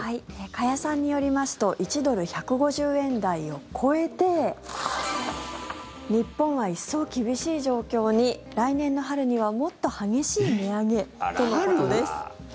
加谷さんによりますと１ドル＝１５０円台を超えて日本は一層厳しい状況に来年の春にはもっと激しい値上げとのことです。